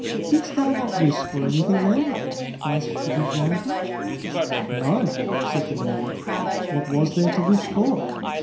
"Didst thou not wish for anything then?" asked the good wife. "No," said the man; "what was there to wish for?"